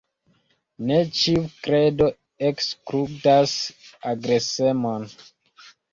Ne ĉiu kredo ekskludas agresemon.